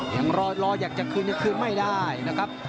ยังรออยากจะคืนยังคืนไม่ได้นะครับ